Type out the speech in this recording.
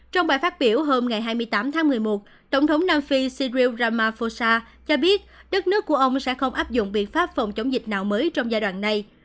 trong bài phát biểu hôm ngày hai mươi tám tháng một mươi một tổng thống nam phi siri ramaphosa cho biết đất nước của ông sẽ không áp dụng biện pháp phòng chống dịch nào mới trong giai đoạn này